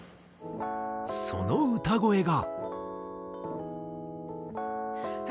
その歌声が。